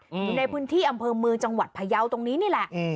อยู่ในพื้นที่อำเภอเมืองจังหวัดพยาวตรงนี้นี่แหละอืม